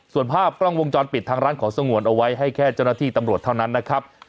ส่วนภาพกล้องวงจรปิดทางร้านขอสงวนเอาไว้ให้แค่เจ้าหน้าที่ตำรวจเท่านั้นนะครับ